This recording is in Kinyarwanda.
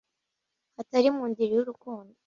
Hatari mu ndiri yurukundo.